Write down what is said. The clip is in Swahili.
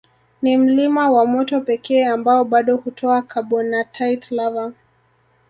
Ni mlima wa moto pekee ambao bado hutoa carbonatite lava